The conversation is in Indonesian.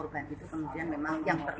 pengakuan yang disampaikan oleh